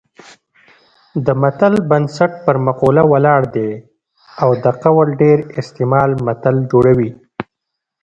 د متل بنسټ پر مقوله ولاړ دی او د قول ډېر استعمال متل جوړوي